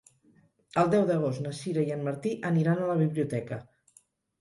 El deu d'agost na Sira i en Martí aniran a la biblioteca.